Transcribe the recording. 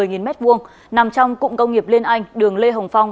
nằm trong cụng công nghiệp liên anh đường lê hồng phong